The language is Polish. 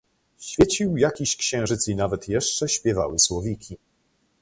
"Świecił jakiś księżyc i nawet jeszcze śpiewały słowiki."